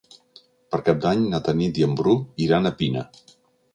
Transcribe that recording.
Per Cap d'Any na Tanit i en Bru iran a Pina.